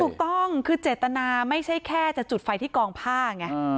ถูกต้องคือเจตนาไม่ใช่แค่จะจุดไฟที่กองผ้าไง